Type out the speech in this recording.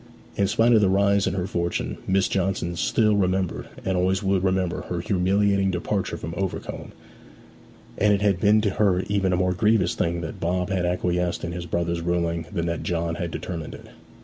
In spite of the rise in her fortunes, Miss Johnson still remembered and always would remember her humiliating departure from Overcombe; and it had been to her even a more grievous thing that Bob had acquiesced in his brother's ruling than that John had determined it.